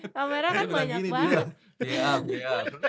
kamera kan banyak banget